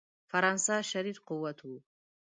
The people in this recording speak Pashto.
فرانسه شریر قوت وو.